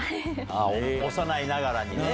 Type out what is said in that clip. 幼いながらにね。